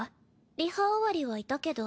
リハ終わりはいたけど。